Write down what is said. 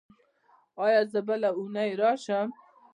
ایا زه بله اونۍ راشم؟